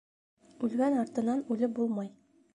Үлгән артынан үлеп булмай.